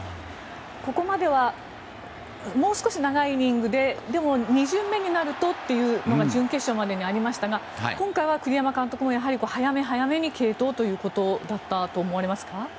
ここまではもう少し長いイニングででも、２巡目になるとというのが準決勝まででありましたが今回は栗山監督も早め早めに継投ということだったと思われますか？